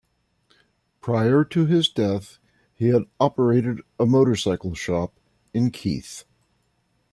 Prior to his death he had operated a motorcycle shop in Keith.